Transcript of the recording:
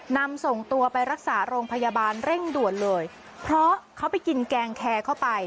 นำส่งตัวไปรักษาโรงพยาบาลเร่งด่วนเลยเพราะเขาไปกินแกงแคร์เข้าไป